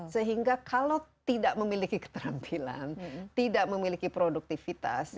sehingga kalau tidak memiliki keterampilan tidak memiliki produktivitas